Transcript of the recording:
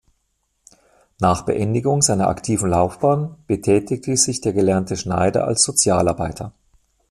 Nach Beendigung seiner aktiven Laufbahn betätigte sich der gelernte Schneider als Sozialarbeiter.